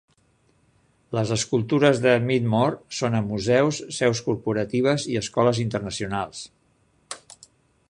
Les escultures de Meadmore són a museus, seus corporatives i escoles internacionals.